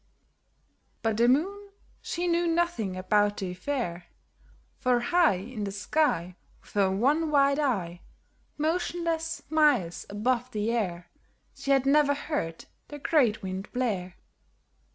But the Moon, she knew nothing about the affair, For high In the sky, With her one white eye, Motionless, miles above the air, She had never heard the great Wind blare.